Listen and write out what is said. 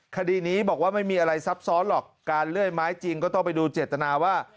คดีนี้บอกว่าไม่มีอะไรซับซ้อนหรอกการเลื่อยไม้จริงก็ต้องไปดูเจตนาว่า